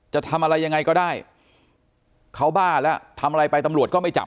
จะทำอะไรยังไงก็ได้เขาบ้าแล้วทำอะไรไปตำรวจก็ไม่จับ